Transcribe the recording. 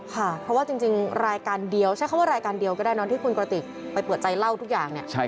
ค่ะเพราะว่าจริงรายการเดียวใช้คำว่ารายการเดียวก็ได้เนอะที่คุณกระติกไปเปิดใจเล่าทุกอย่างเนี่ย